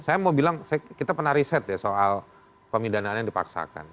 saya mau bilang kita pernah riset ya soal pemidanaan yang dipaksakan